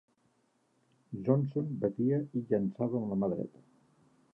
Johnson batia i llançava amb la mà dreta.